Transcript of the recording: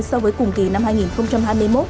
so với cùng kỳ năm hai nghìn hai mươi một